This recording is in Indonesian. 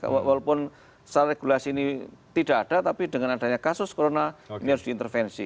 walaupun secara regulasi ini tidak ada tapi dengan adanya kasus corona ini harus diintervensi